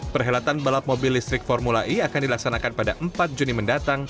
perhelatan balap mobil listrik formula e akan dilaksanakan pada empat juni mendatang